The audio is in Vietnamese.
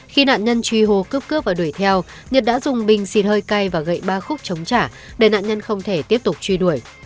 khi nạn nhân truy hô cướp cướp và đuổi theo nhật đã dùng bình xịt hơi cay và gậy ba khúc chống trả để nạn nhân không thể tiếp tục truy đuổi